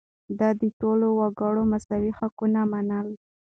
ده د ټولو وګړو مساوي حقونه منل.